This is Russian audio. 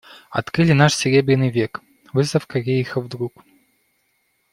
Открыли наш Серебряный век, выставка Рериха вдруг.